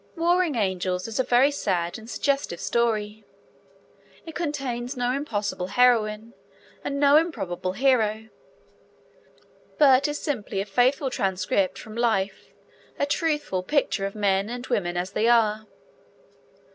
Warring' Angels is a very sad and suggestive story. It contains no impossible heroine and no improbable hero, but is simply a faithful transcript from life, a truthful picture of men and women as they are.